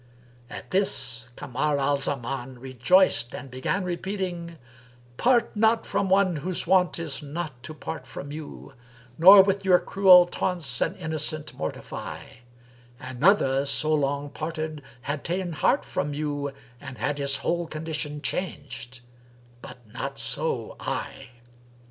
At this Kamar al Zaman rejoiced and began repeating, "Part not from one whose wont is not to part from you; * Nor with your cruel taunts an innocent mortify: Another so long parted had ta'en heart from you, * And had his whole condition changed,—but not so I."